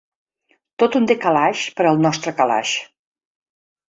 Tot un “décalage” per al nostre calaix.